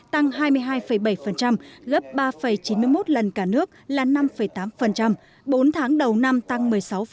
tăng bảy gấp ba chín mươi một lần cả nước là năm tám bốn tháng đầu năm tăng một mươi sáu một mươi tám